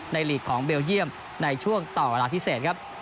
หลีกของเบลเยี่ยมในช่วงต่อเวลาพิเศษครับ